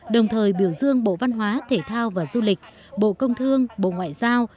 đồng thời biểu dương bộ văn hóa thể thao và du lịch bộ công thương bộ ngoại giao